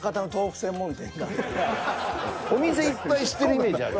あとお店いっぱい知ってるイメージあるよ。